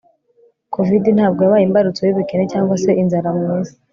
covid- ntabwo yabaye imbarutso y' ubukene cyangwa se inzara mu isi